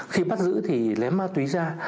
khi bắt giữ thì lấy ma túy ra